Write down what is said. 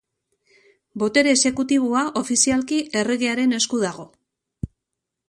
Botere exekutiboa, ofizialki, Erregearen esku dago.